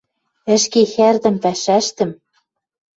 ӹшке хӓрдӹм пӓшӓштӹм.